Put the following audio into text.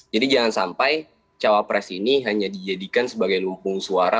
jadi jangan sampai cawapres ini hanya dijadikan sebagai lumpung suara